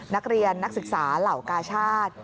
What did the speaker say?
นักเรียนนักศึกษาเหล่ากาชาติ